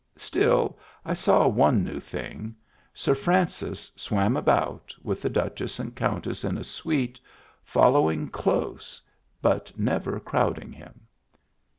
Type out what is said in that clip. Still, I saw one new thing. Sir Francis swam about, with the Duchess and Countess in a suite, following close, but never crowding him.